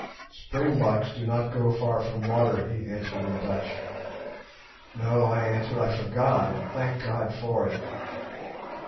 "Springbucks do not go far from water," he answered in Dutch. "No," I answered, "I forgot; and thank God for it."